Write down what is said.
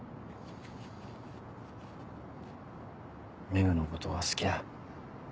廻のことが好きだ。